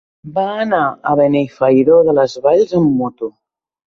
Va anar a Benifairó de les Valls amb moto.